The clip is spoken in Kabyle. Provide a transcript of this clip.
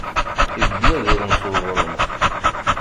Ibeddel adrum s uɣrum.